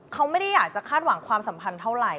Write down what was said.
เขาไม่ได้อยากจะคาดหวังความสัมพันธ์เท่าไหร่